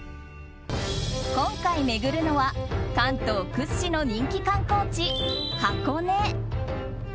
今回巡るのは関東屈指の人気観光地・箱根。